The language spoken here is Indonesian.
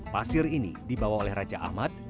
pasir ini dibawa oleh raja ahmad